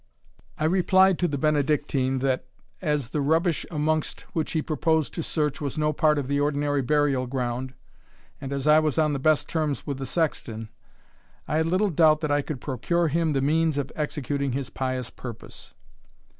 I replied to the Benedictine, that, as the rubbish amongst which he proposed to search was no part of the ordinary burial ground, and as I was on the best terms with the sexton, I had little doubt that I could procure him the means of executing his pious purpose.